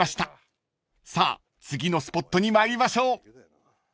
［さあ次のスポットに参りましょう］